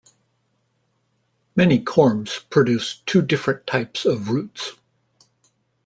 Many corms produce two different types of roots.